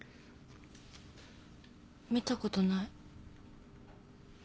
見たことない。